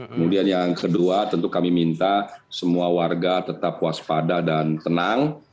kemudian yang kedua tentu kami minta semua warga tetap waspada dan tenang